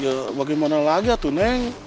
ya bagaimana lagi tuh neng